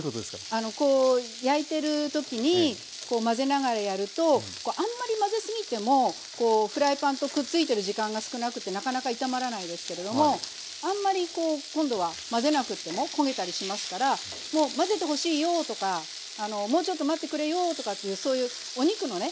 あのこう焼いてる時にこう混ぜながらやるとあんまり混ぜすぎてもこうフライパンとくっついてる時間が少なくってなかなか炒まらないですけれどもあんまりこう今度は混ぜなくっても焦げたりしますから「もう混ぜてほしいよ」とか「もうちょっと待ってくれよ」とかっていうそういうお肉のね